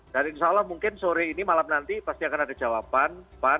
dan insya allah mungkin sore ini malam nanti pasti akan ada jawaban